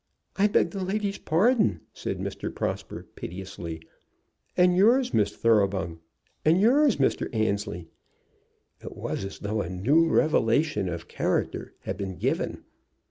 "I beg the lady's pardon," said Mr. Prosper, piteously, "and yours, Miss Thoroughbung, and yours, Mr. Annesley." It was as though a new revelation of character had been given.